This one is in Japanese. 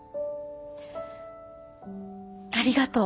ありがとう。